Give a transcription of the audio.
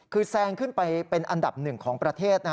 คือแซงขึ้นไปเป็นอันดับหนึ่งของประเทศ